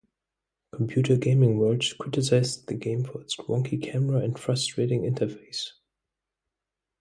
"Computer Gaming World" criticized the game for it's wonky camera and frustrating interface.